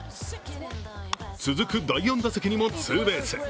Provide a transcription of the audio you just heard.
続く第４打席にもツーベース。